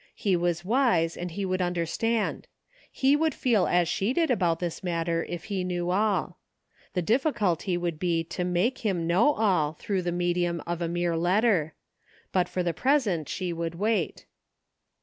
He was wise, and he would understand. He would feel as she did about this matter if he knew all. The difficulty would be to make him know all tiirough the medium of a mere letter. But for the present she would wait.